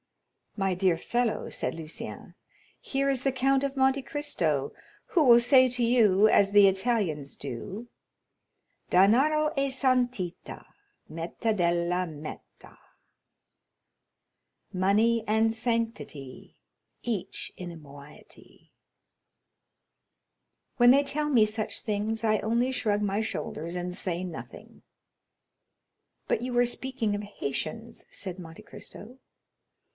"My dear fellow," said Lucien, "here is the Count of Monte Cristo, who will say to you, as the Italians do,— "'Denaro e santità, Metà della metà.'9 "When they tell me such things, I only shrug my shoulders and say nothing." "But you were speaking of Haitians?" said Monte Cristo.